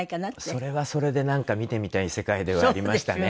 それはそれでなんか見てみたい世界ではありましたね。